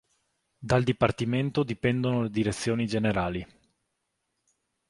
Dal dipartimento dipendono le Direzioni generali.